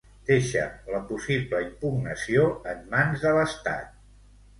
Deixa la possible impugnació en mans de l'Estat.